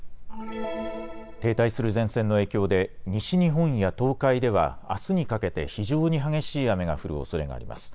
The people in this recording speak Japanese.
停滞する前線の影響で西日本や東海では、あすにかけて非常に激しい雨が降るおそれがあります。